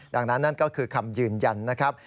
ดังนั้นนั่นก็คือคำยืนยันนะครับ